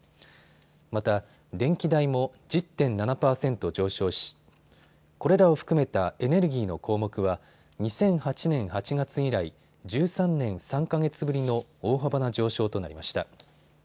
また、電気代も１０．７％上昇しこれらを含めたエネルギーの項目は２００８年８月以来、１３年３か月ぶりの大幅な上昇となりました。